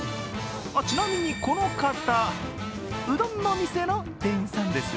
ちなみにこの方、うどんのお店の店員さんです。